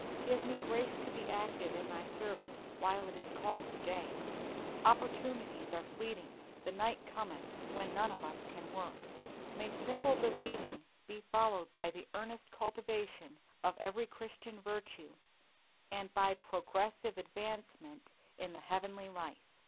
Give me grace to be active in Thy service while it is called to day. Opportunities are fleeting. The night cometh wherein none of us can work. May simple believing be followed by the earnest cultivation of every Christian virtue, and by progressive advancement in the heavenly life.